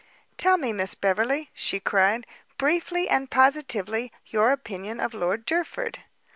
"Tell me, Miss Beverley," she cried, "briefly and positively your opinion of Lord Derford?"